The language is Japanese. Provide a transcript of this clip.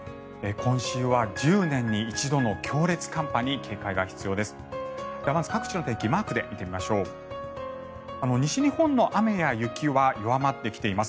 今週は１０年に一度の強烈寒波に警戒が必要です。